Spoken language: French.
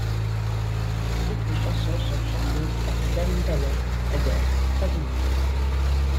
Toutes les chansons sont chantées par Dan Bălan, alias Crazy Loop.